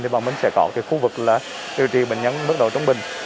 thì bọn mình sẽ có khu vực điều trị bệnh nhân mức độ trống bình